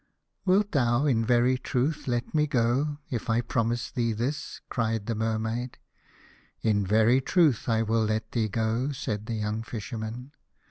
"Wilt thou in very truth let me go, if I promise thee this ?" cried the Mermaid. "In very truth I will let thee go," said the young Fisherman.